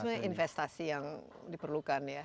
sebenarnya investasi yang diperlukan ya